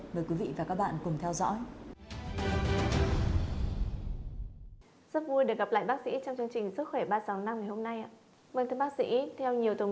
mời quý vị và các bạn cùng theo dõi